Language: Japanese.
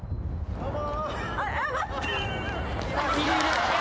どうも。